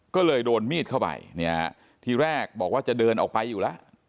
ก็เลยโดนมีดเข้าไปเนี่ยทีแรกบอกว่าจะเดินออกไปอยู่แล้ว